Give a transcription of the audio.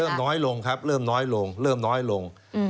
น้อยลงครับเริ่มน้อยลงเริ่มน้อยลง